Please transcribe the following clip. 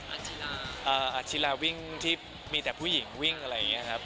อาชิลาวิ่งที่มีแต่ผู้หญิงวิ่งอะไรอย่างนี้ครับ